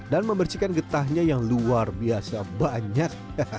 dan membersihkan getahnya yang luar biasa banyak